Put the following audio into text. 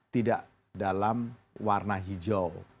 tidak dalam warna hijau